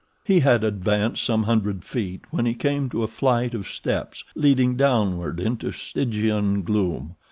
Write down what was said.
He had advanced some hundred feet when he came to a flight of steps leading downward into Stygian gloom.